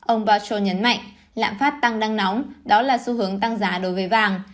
ông boucher nhấn mạnh lãm phát tăng đang nóng đó là xu hướng tăng giá đối với vàng